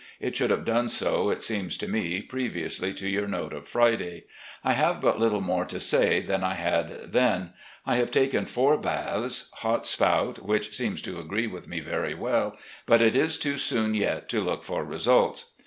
It should have done so, it seems to me, previously to your note of Friday. I have but little more to say than I had then. I have taken foiur baths. Hot Spout, which seems to agree with me very well, but it is too soon yet to look for results.